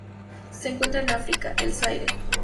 Se encuentran en África: el Zaire.